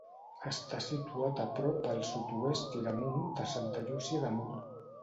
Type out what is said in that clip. Està situat a prop al sud-oest i damunt de Santa Llúcia de Mur.